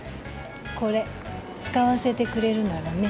これ使わせてくれるならね。